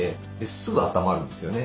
すぐあったまるんですよね